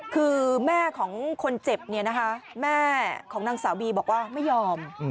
คือแม่ของคนเจ็บแม่ของนางสาวบีบอกว่าไม่ยอม